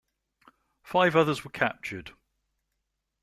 Five others were captured.